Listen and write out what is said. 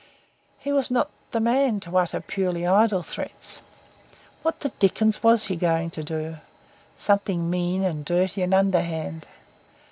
He was not the man to utter purely idle threats. What the dickens was he going to do? Something mean and dirty and underhand.